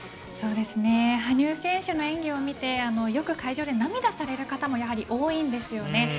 羽生選手の演技を見てよく会場で涙される方もやはり多いんですよね。